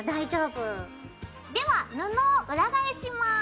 では布を裏返します。